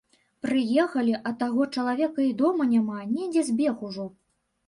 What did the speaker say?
Прыехалі, а таго чалавека і дома няма, недзе збег ужо.